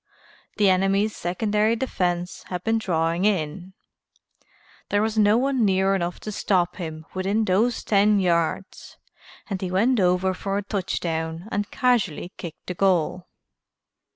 The enemy's secondary defense had been drawing in, there was no one near enough to stop him within those ten yards and he went over for a touchdown and casually kicked the goal."